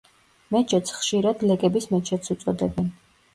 მეჩეთს ხშირად ლეკების მეჩეთს უწოდებენ.